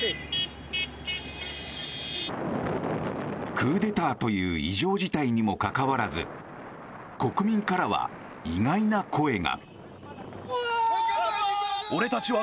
クーデターという異常事態にもかかわらず国民からは意外な声が。